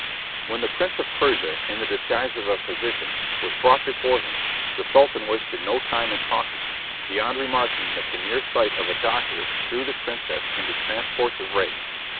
When the Prince of Persia, in the disguise of a physician, was brought before him, the Sultan wasted no time in talking, beyond remarking that the mere sight of a doctor threw the princess into transports of rage.